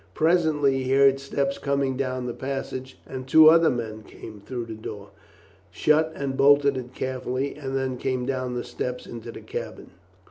Presently he heard steps coming down the passage and two other men came through the door, shut and bolted it carefully, and then came down the steps into the cabin.